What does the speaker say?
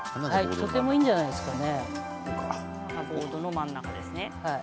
とてもいいんじゃないですかね。